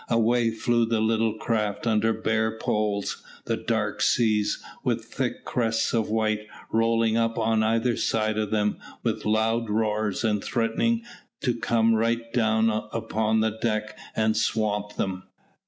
Away flew the little craft under bare poles, the dark seas, with thick crests of white, rolling up on either side of them, with loud roars, and threatening to come right down upon the deck and swamp them.